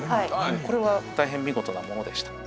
これは大変見事なものでした。